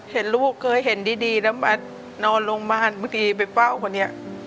เห็นลูกเคยเห็นดีแล้วมัดนอนลงบ้านบางทีไปเป้าคนเนี่ย